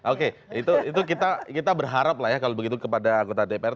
oke itu kita berharap lah ya kalau begitu kepada anggota dpr